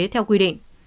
theo quy định